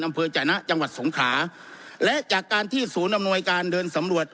จนะจังหวัดสงขลาและจากการที่ศูนย์อำนวยการเดินสำรวจ